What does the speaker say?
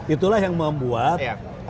itulah yang membuat